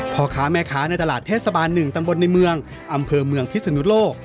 พ่อค้าแม่ค้าในตลาดเทศบาล๑ตำบลในเมืองอำเภอเมืองพิศนุโลก